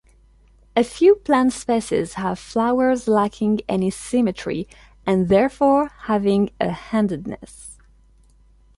A few plant species have flowers lacking any symmetry, and therefore having a "handedness".